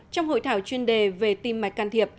trong hội thảo chuyên đề về tim mạch can thiệp